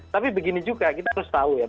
tapi begini juga kita harus tahu ya